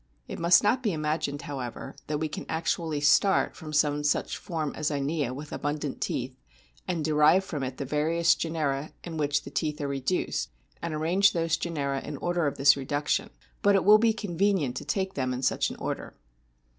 It must not be imagined, however, that we can actually start from some such form as Inia, with abundant teeth, and derive from it the various genera in which the teeth are reduced> and arrange those genera in the order of this reduction. But it will be convenient to take them in such an order.